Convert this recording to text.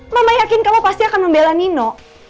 mama yakin kamu pasti akan membela nino